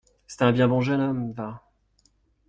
C’est un bien bon jeune homme, va.